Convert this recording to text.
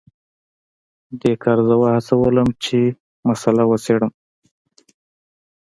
دې کار زه وهڅولم چې دا مسله وڅیړم